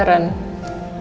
tidak ada yang bisa diberikan